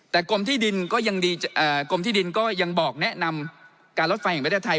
แต่กรมที่ดินก็ยังบอกแนะนำการรถไฟอย่างเมืองประเทศไทย